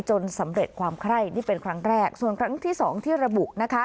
สำเร็จความไคร้นี่เป็นครั้งแรกส่วนครั้งที่สองที่ระบุนะคะ